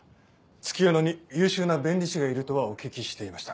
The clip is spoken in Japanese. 月夜野に優秀な弁理士がいるとはお聞きしていました。